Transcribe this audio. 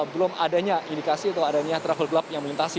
belum adanya indikasi atau adanya travel gelap yang melintasi